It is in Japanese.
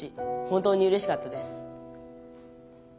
本当にうれしかったです」。